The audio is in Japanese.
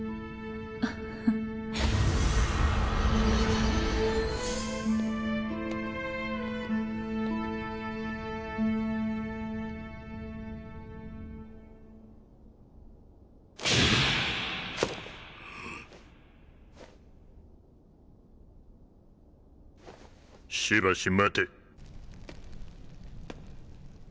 フフしばし待て。